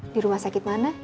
di rumah sakit mana